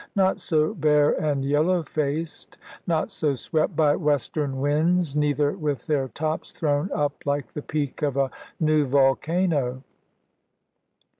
Not so bare and yellow faced, not so swept by western winds, neither with their tops thrown up like the peak of a new volcano.